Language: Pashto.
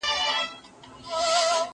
زه اوس زده کړه کوم!؟